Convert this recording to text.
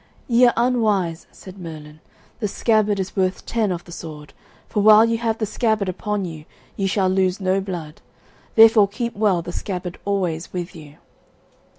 "Ye are unwise," said Merlin; "the scabbard is worth ten of the sword, for while ye have the scabbard upon you, ye shall lose no blood; therefore keep well the scabbard always with you."